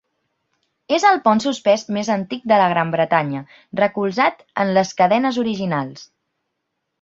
És el pont suspès més antic de la Gran Bretanya recolzat en les cadenes originals.